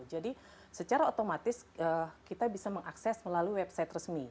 jadi secara otomatis kita bisa mengakses melalui website resmi